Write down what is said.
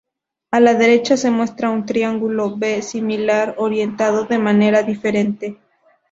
A la derecha se muestra un "triángulo" B similar, orientado de manera diferente.